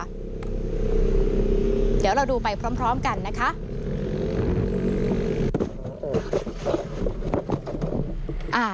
เดี๋ยวเราดูไปพร้อมกันนะคะ